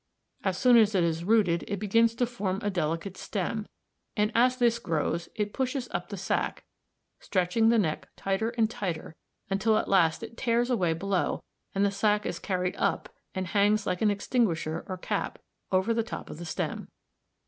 As soon as it is rooted it begins to form a delicate stem, and as this grows it pushes up the sac bs, stretching the neck tighter and tighter till at last it tears away below, and the sac is carried up and hangs like an extinguisher or cap (c Figs. 34, 35) over the top of the stem.